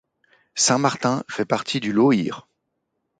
Saint-Martin fait partie du Lauhire.